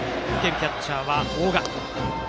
受けるキャッチャーは大賀。